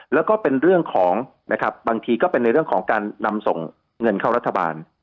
แล้วก็เป็นเรื่องของนะครับบางทีก็เป็นในเรื่องของการนำส่งเงินเข้ารัฐบาล